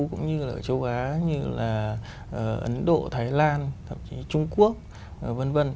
cũng như là ở châu á như là ở ấn độ thái lan thậm chí trung quốc vân vân